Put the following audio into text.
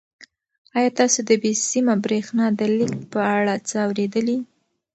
آیا تاسو د بې سیمه بریښنا د لېږد په اړه څه اورېدلي؟